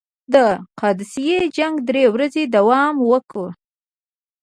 د قادسیې جنګ درې ورځې دوام وکړ.